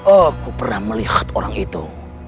aku pernah melihat orang itu